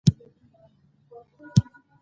ازادي راډیو د سوداګري د اغیزو په اړه مقالو لیکلي.